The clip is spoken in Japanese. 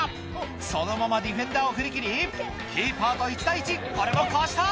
そのままディフェンダーを振り切りキーパーと１対１これもかわした！